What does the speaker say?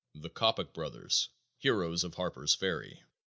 THE COPPOCK BROTHERS: HEROES OF HARPER'S FERRY.